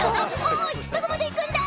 おいどこまで行くんだ？